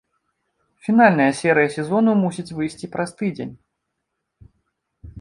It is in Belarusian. Фінальная серыя сезону мусіць выйсці праз тыдзень.